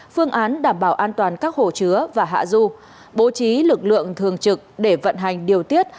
phương án đảm bảo an toàn các hồ chứa và hạ du bố trí lực lượng thường trực để vận hành điều tiết